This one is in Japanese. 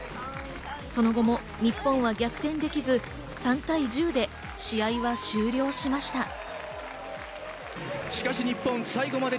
その後も日本は逆転できず３対１０で試合は終了しました。